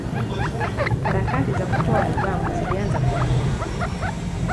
Harakati za kutoa albamu zilianza muda mrefu.